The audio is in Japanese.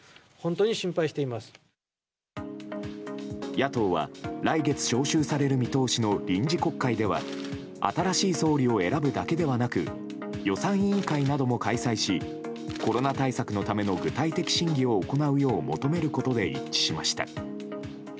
野党は、来月召集される見通しの臨時国会では新しい総理を選ぶだけではなく予算委員会なども開催しコロナ対策のための具体的審議を行うよう求めることで一致しました。